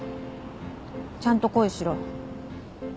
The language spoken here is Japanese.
ちゃんと恋しろ。